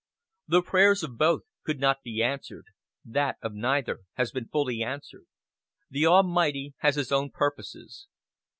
The prayers of both could not be answered that of neither has been answered fully. "The Almighty has his own purposes.